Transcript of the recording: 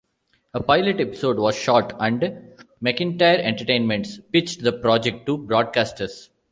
A pilot episode was shot and Macintyre Entertainments pitched the project to broadcasters.